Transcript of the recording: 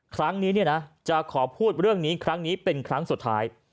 ครั้งนี้จะขอพูดเรื่องนี้ครั้งนี้เป็นครั้งสุดท้าย